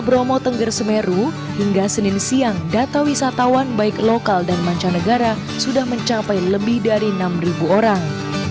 bromo tengger semeru hingga senin siang data wisatawan baik lokal dan mancanegara sudah mencapai lebih dari enam orang